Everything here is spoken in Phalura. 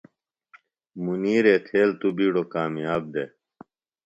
منیر ایتھیل تو بِیڈوۡ کامیاب دےۡ۔